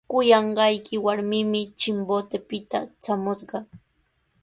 Kuyanqayki warmimi Chimbotepita traamushqa.